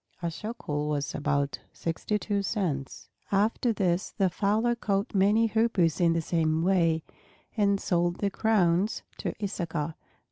(A shekel was about sixty two cents.) After this the fowler caught many Hoopoes in the same way, and sold their crowns to Issachar.